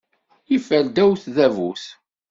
Yeffer ddaw tdabut.